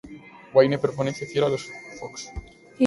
Wayne permanece fiel a los Fox.